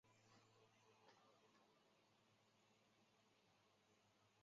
任内屡次为减轻民负上疏。